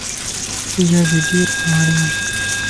ايا ويڊيو پڙاڻيَ